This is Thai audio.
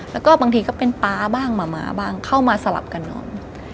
แล้วก็บางทีก็เป็นป๊าบ้างหมาบ้างเข้ามาสลับกันนอน